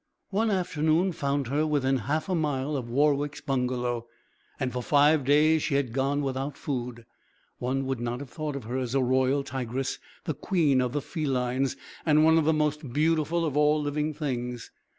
One afternoon found her within a half mile of Warwick's bungalow, and for five days she had gone without food. One would not have thought of her as a royal tigress, the queen of the felines and one of the most beautiful of all living things.